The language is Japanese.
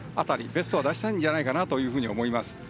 ベストは出したいんじゃないかと思います。